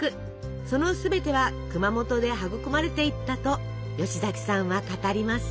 その全ては熊本で育まれていったと吉崎さんは語ります。